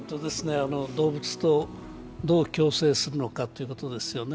動物とどう共生するのかということですよね。